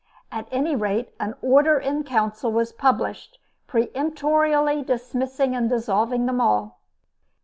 At any rate, an "order in council" was published, peremptorily dismissing and dissolving them all.